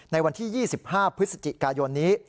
ในวันที่๒๕พฤศจิกายนนี้